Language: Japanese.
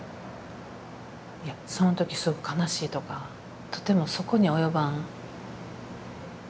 いやその時すぐ悲しいとかとてもそこには及ばん。